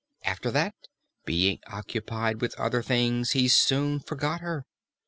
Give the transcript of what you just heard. After that, being occupied with other things, he soon forgot her.